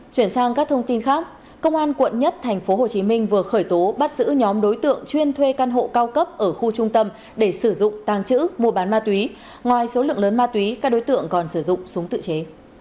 chuyển sang các thông tin khác công an quận một tp hcm vừa khởi tố bắt giữ nhóm đối tượng chuyên thuê căn hộ cao cấp ở khu trung tâm để sử dụng tàng trữ mua bán ma túy ngoài số lượng lớn ma túy các đối tượng còn sử dụng súng tự chế